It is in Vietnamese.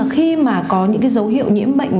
khi mà có những dấu hiệu nhiễm bệnh